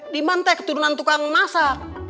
diman teh keturunan tukang masak